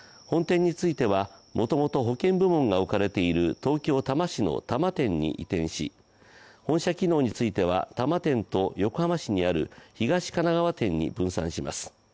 本店についてはもともと保険部門が置かれている東京・多摩市の多摩店に移転し、本社機能については東神奈川店に分散します。